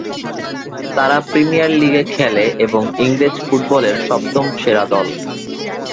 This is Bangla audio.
তারা প্রিমিয়ার লীগে খেলে এবং ইংরেজ ফুটবলের সপ্তম সেরা দল।